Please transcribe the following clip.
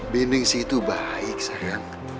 bindingsi itu baik sayang